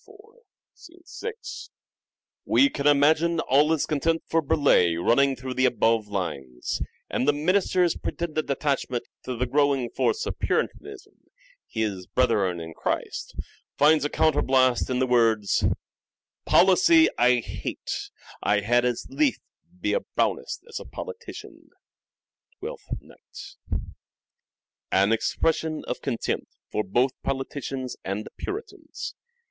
6.) We can imagine all his contempt for Burleigh 358 "SHAKESPEARE" IDENTIFIED running through the above lines, and the minister's pretended attachment to the growing force of puritanism, his "brethren in Christ," finds a counter blast in the words, '' Policy I hate : I had as lief be a Brownist as a politician '' ("Twelfth Night ") an expression of contempt for both politicians and puritans.